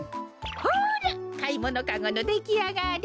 ほらかいものカゴのできあがり！